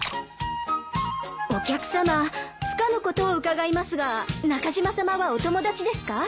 お客さまつかぬ事を伺いますが中島さまはお友達ですか？